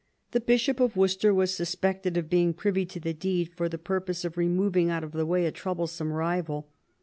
The Bishop of Worcester was suspected of being privy to the deed for the purpose of removing out of the way a troublesome rival.